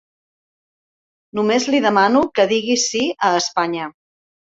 Només li demano que digui sí a Espanya.